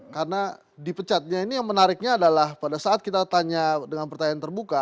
karena dipecatnya ini yang menariknya adalah pada saat kita tanya dengan pertanyaan terbuka